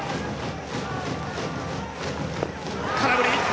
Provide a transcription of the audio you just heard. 空振り！